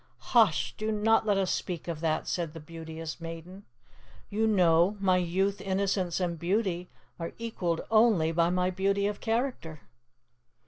"Hush! do not let us speak of that!" said the Beauteous Maiden. "You know, my Youth, Innocence, and Beauty are equalled only by my Beauty of Character."